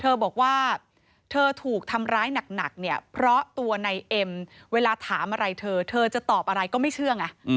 เธอบอกว่าเธอถูกทำร้ายหนักเนี่ยเพราะตัวในเอ็มเวลาถามอะไรเธอเธอจะตอบอะไรก็ไม่เชื่อไง